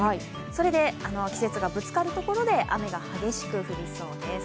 それで季節がぶつかるところで雨が激しく降りそうです。